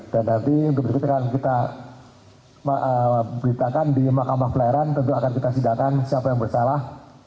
dan nanti kita beritakan di makamah pelayaran tentu akan kita sidarkan siapa yang bersalah